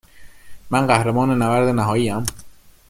من قهرمان نبرد نهائیم؟